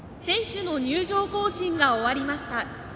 選手の入場行進が終わりました。